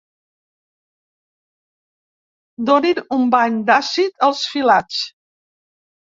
Donin un bany d'àcid als filats.